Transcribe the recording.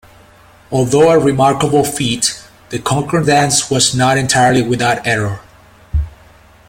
Although a remarkable feat, the concordance was not entirely without error.